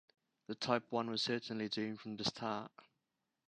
The Type One was certainly doomed from the start.